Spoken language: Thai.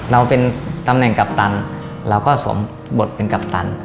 เราเป็นตำแหน่งกัปตันเราก็สมบทเป็นกัปตัน